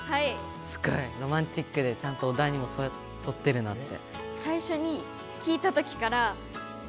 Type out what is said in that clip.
すごいロマンチックでちゃんとお題にもそってるなって。